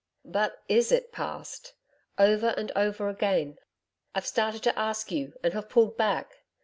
'But IS it past. Over and over again, I've started to ask you and have pulled back.